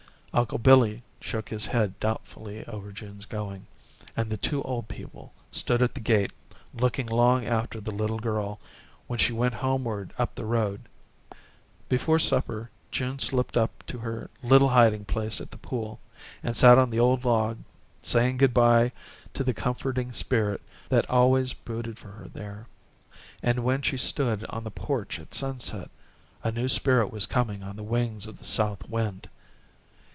Uncle Billy shook his head doubtfully over June's going, and the two old people stood at the gate looking long after the little girl when she went homeward up the road. Before supper June slipped up to her little hiding place at the pool and sat on the old log saying good by to the comforting spirit that always brooded for her there, and, when she stood on the porch at sunset, a new spirit was coming on the wings of the South wind.